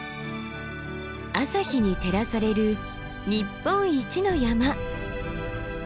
朝日に照らされる日本一の山。